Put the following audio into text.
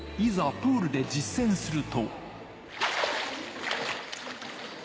プールで実践すると。